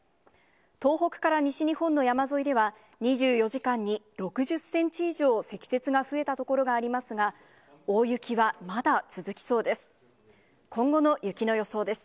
東北から西日本の山沿いでは、２４時間に６０センチ以上、積雪が増えた所がありますが、大雪はまだ続きそうです。